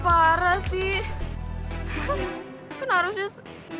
kan harusnya gue yang ada di posisi sama